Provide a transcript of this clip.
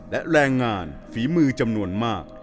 และแรงงานฝีมือจำนวนมาก